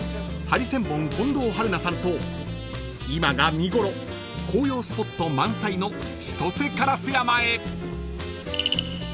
ハリセンボン近藤春菜さんと今が見頃紅葉スポット満載の千歳烏山へ］